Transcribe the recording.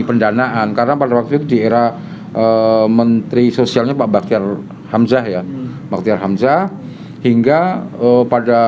pendanaan karena pada waktu itu di era menteri sosialnya pak baktiar hamzah ya baktiar hamzah hingga pada